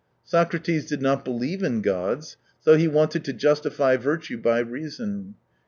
Socrates did not believe in gods, so he wanted to justify virtue by reason.